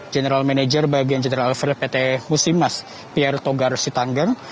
general manager bagian jenderal vri pt musim mask pierre togar sitanggang